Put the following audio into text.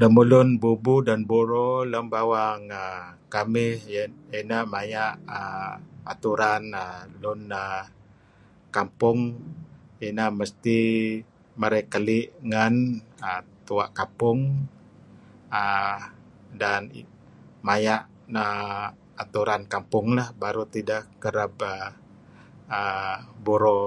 Lemulun bubuh ideh buro lem baang kamih ineh maya' uhm aturan lun kampong neh mesti marey keli' ngen Tua' Kapung uhm dan maya' uhm aturan kampung lah baru tideh kereb uhm buro.